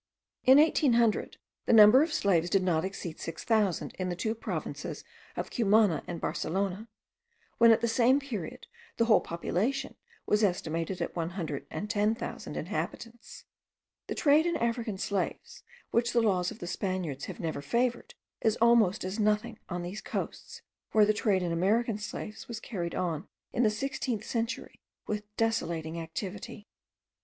In 1800 the number of slaves did not exceed six thousand in the two provinces of Cumana and Barcelona, when at the same period the whole population was estimated at one hundred and ten thousand inhabitants. The trade in African slaves, which the laws of the Spaniards have never favoured, is almost as nothing on these coasts where the trade in American slaves was carried on in the sixteenth century with desolating activity.